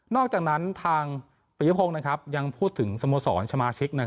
อกจากนั้นทางปริยพงศ์ยังพูดถึงสโมสรสมาชิก